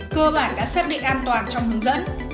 cơ bản đã xác định an toàn trong hướng dẫn